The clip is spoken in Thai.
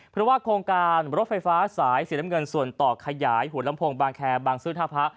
เพราะว่าโครงการรถไฟฟ้าสายสีน้ำเงินส่วนต่อขยายหัวลำโพงบางแคร์บางซื่อท่าพระ